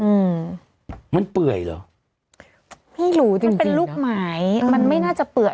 อืมมันเปื่อยเหรอไม่รู้จริงจริงมันเป็นลูกไหมมันไม่น่าจะเปื่อย